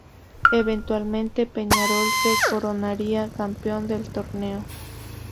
Eventualmente, Peñarol se coronaría campeón del torneo.